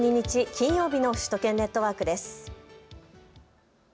金曜日の首都圏ネットワークです。